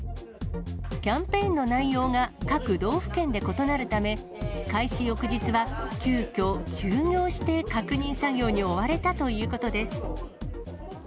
キャンペーンの内容が各道府県で異なるため、開始翌日は、急きょ、休業して確認作業に追われたということです。